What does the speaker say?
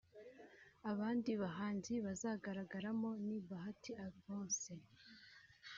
Abandi bahanzi bazagaragaramo ni Bahati Alphonse